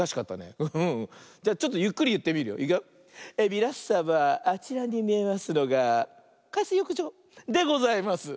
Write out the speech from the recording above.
みなさまあちらにみえますのが「かいすよくじょ」でございます。